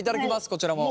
こちらも。